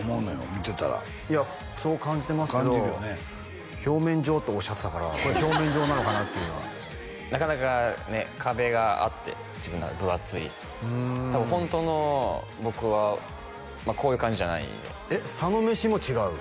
見てたらいやそう感じてますけど感じるよね表面上とおっしゃってたからこれ表面上なのかなっていうのはなかなかねっ壁があって自分の中で分厚い多分ホントの僕はこういう感じじゃないんでえっ佐野飯も違う？